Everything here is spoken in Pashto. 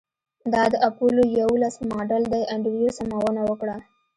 دا د اپولو یوولس ماډل دی انډریو سمونه وکړه